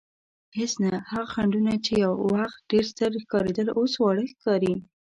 هېڅ نه، هغه خنډونه چې یو وخت ډېر ستر ښکارېدل اوس واړه ښکاري.